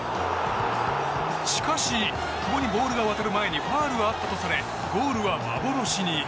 しかし、久保にボールが渡る前にファウルがあったとされゴールは幻に。